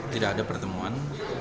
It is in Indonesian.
tidak ada pertemuan